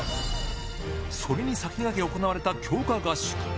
それに先駆け行われた強化合宿。